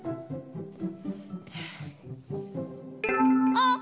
あっ！